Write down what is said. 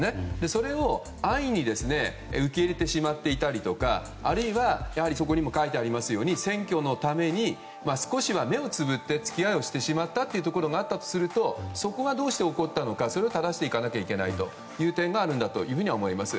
それを安易に受け入れてしまっていたりあるいはそこにも書いてありますが選挙のために少しは目をつぶって付き合いをしてしまったことがあったとするとそこはどうして起こったのかそれをただしていかなきゃいけない点があると思います。